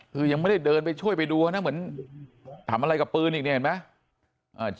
คือยังไม่ได้ช่วยเดินไปดูเหมือนทำอะไรกับปืนเห็นมั้ย